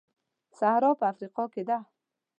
سهارا په افریقا کې ده.